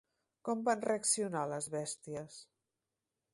Com van reaccionar les bèsties?